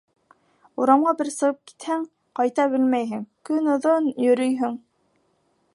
Урамға бер сығып китһәң, ҡайта белмәйһең, көн оҙон йөрөйһөң.